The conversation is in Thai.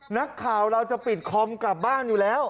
นักข่าวเราจะปิดคอมกลับบ้านอยู่แล้ว